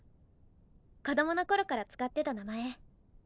子供の頃から使ってた名前。